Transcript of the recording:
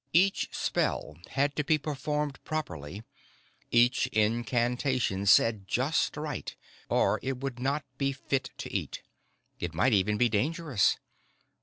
Each spell had to be performed properly, each incantation said just right, or it would not be fit to eat. It might even be dangerous.